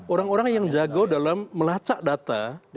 orang orang yang jago dalam melacak data